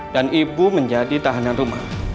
dan ibu menjadi tahanan rumah